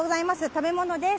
食べ物です。